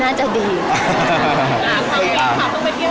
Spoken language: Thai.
น่าจะดี